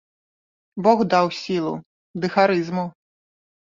Бог даў сілу ды харызму.